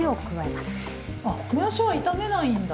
あもやしは炒めないんだ！